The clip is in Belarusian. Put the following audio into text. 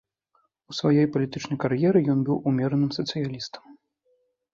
У сваёй палітычнай кар'еры ён быў умераным сацыялістам.